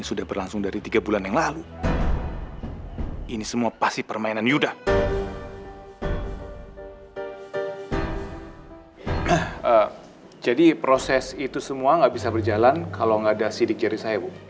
kalau gak ada sidik jari saya bu